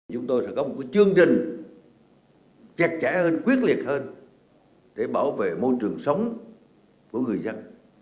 chúng tôi sẽ có một chương trình chặt chẽ hơn quyết liệt hơn để bảo vệ môi trường sống của người dân